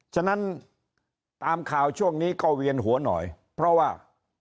ฉะนั้นตามข่าวช่วงนี้ก็เวียนหัวหน่อยเพราะว่า